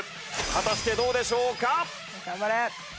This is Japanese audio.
果たしてどうでしょうか？